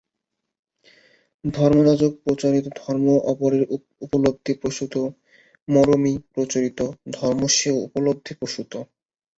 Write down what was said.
ধর্মযাজক-প্রচারিত ধর্ম অপরের উপলব্ধি-প্রসূত, মরমী- প্রচারিত ধর্ম স্বীয় উপলব্ধি-প্রসূত।